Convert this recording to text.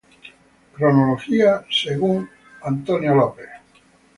Cronología según Werner Kaiser.